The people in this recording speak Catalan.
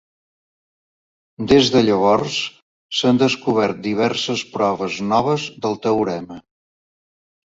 Des de llavors, s'han descobert diverses proves noves del teorema.